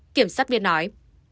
kiểm sát viên nói